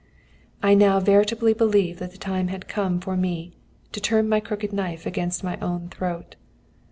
"I now veritably believed that the time had come for me to turn my crooked knife against my own throat.